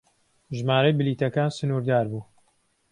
ژمارەی بلیتەکان سنوردار بوو.